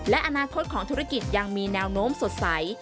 และอนาคตของธุรกิจยังมีแนวโน้มสดใส